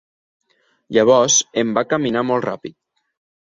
Llavors em va caminar molt ràpid.